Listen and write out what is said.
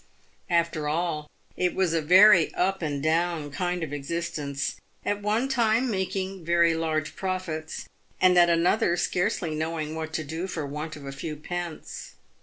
After all, it was a very up and down kind of existence, at one time making very large profits, and at another scarcely knowing what to do for want of a few pence.